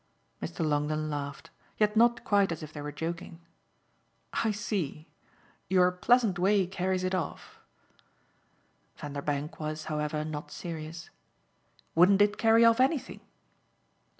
Mr. Longdon laughed, yet not quite as if they were joking. "I see. Your pleasant way carries it off." Vanderbank was, however, not serious. "Wouldn't it carry off anything?"